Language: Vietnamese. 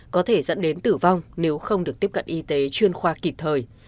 có thể dẫn đến tử vong nếu không được tiếp cận y tế chuyên khoa kịp thời